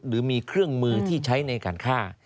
หรือมีเครื่องมือที่ใช้ในการฆ่า